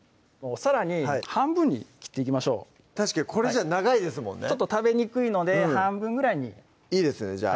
さらに半分に切っていきましょう確かにこれじゃあ長いですもんねちょっと食べにくいので半分ぐらいにいいですね